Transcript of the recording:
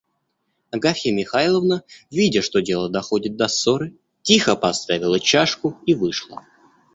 Агафья Михайловна, видя, что дело доходит до ссоры, тихо поставила чашку и вышла.